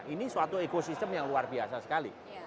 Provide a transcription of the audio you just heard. ini suatu ekosistem yang luar biasa sekali